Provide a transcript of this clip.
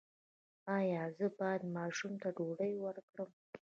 ایا زه باید ماشوم ته ډوډۍ ورکړم؟